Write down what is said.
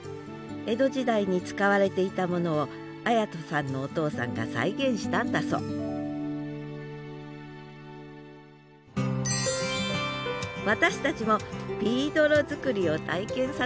江戸時代に使われていたものを礼人さんのお父さんが再現したんだそう私たちもビードロ作りを体験させてもらいました